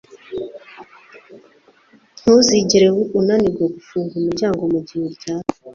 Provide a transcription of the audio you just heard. Ntuzigere unanirwa gufunga umuryango mugihe uryamye